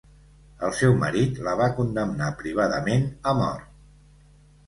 El seu marit la va condemnar privadament a mort.